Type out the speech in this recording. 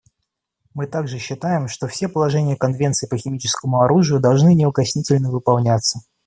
Мы также считаем, что все положения Конвенции по химическому оружию должны неукоснительно выполняться.